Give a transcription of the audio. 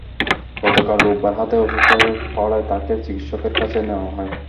গতকাল রোববার রাতে অসুস্থ হয়ে পড়ায় তাঁকে চিকিৎসকের কাছে নেওয়া হয়।